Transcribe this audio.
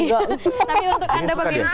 tapi untuk anda pak binsa